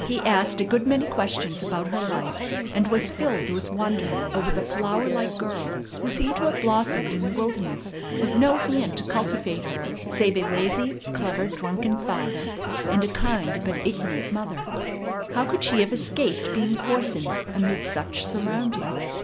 He asked a good many questions about her life, and was filled with wonder over the flower like girl who seemed to have blossomed in the wilderness with no hand to cultivate her save a lazy, clever, drunken father, and a kind but ignorant mother. How could she have escaped being coarsened amid such surroundings.